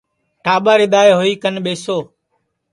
ٹاٻر اِدؔائے ہوئی کن ٻیسو